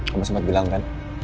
kamu sempat bilang kan